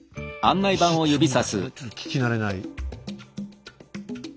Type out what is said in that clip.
あんまりちょっと聞き慣れない。